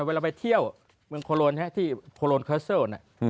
เวลาไปเที่ยวเมืองโคโลนที่โคโลนคัสเซิล